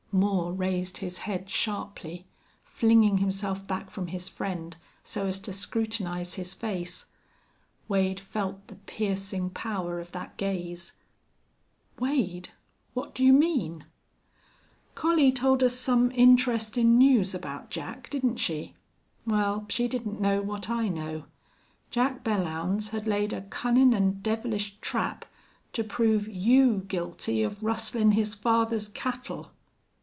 Moore raised his head sharply, flinging himself back from his friend so as to scrutinize his face. Wade felt the piercing power of that gaze. "Wade, what do you mean?" "Collie told us some interestin' news about Jack, didn't she? Well, she didn't know what I know. Jack Belllounds had laid a cunnin' an' devilish trap to prove you guilty of rustlin' his father's cattle."